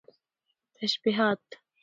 تشبيهات